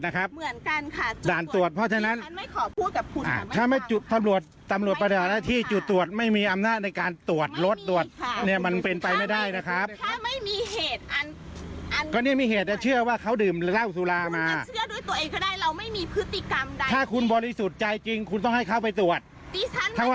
ความมั่นใจคุณต้องพาให้เขาไปตรวจ